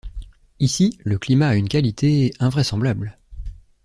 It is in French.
Ici, le climat a une qualité... invraisemblable.